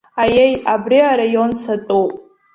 Аиеи, абри араион сатәуп.